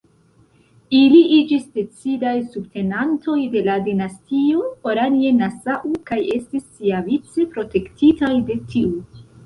Ili iĝis decidaj subtenantoj de la dinastio Oranje-Nassau kaj estis siavice protektitaj de tiu.